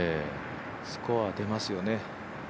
スコア、出ますよね。